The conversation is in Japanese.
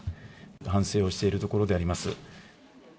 反省をしているところであります。